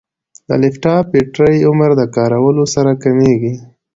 د لپټاپ بیټرۍ عمر د کارولو سره کمېږي.